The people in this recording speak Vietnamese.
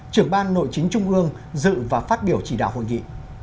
trưởng ban nội chính trung ương dự và phát biểu chỉ đạo hội nghị